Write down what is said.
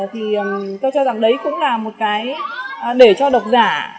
thì tôi cho rằng đấy cũng là một cái để cho độc giả